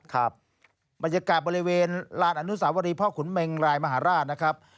ครับบรรยากาศบริเวณลานอนุสาวรีพ่อขุนเมงรายมหาราชนะครับ